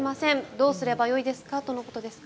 どうすればよいですかとのことですが。